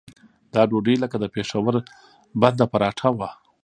دا ډوډۍ لکه د پېښور بنده پراټه وه.